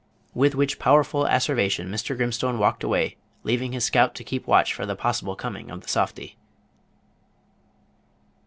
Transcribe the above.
With which powerful asseveration Mr. Grimstone walked away, leaving his scout to keep watch for the possible coming of the softy.